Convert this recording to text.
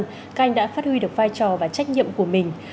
các anh đã phát huy được vai trò và trách nhiệm của mình